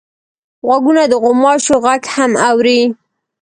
غوږونه د غوماشو غږ هم اوري